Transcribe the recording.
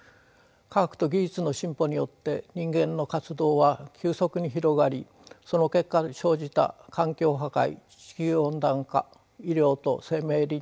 科学と技術の進歩によって人間の活動は急速に広がりその結果生じた環境破壊地球温暖化医療と生命倫理